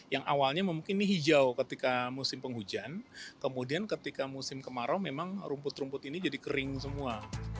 yang awalnya mungkin ini hijau ketika musim penghujan kemudian ketika musim kemarau memang rumput rumput ini jadi kering semua